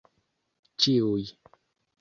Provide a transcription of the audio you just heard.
ĉiuj